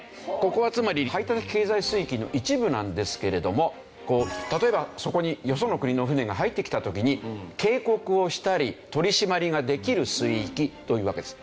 ここはつまり排他的経済水域の一部なんですけれども例えばそこによその国の船が入ってきた時に警告をしたり取り締まりができる水域というわけです。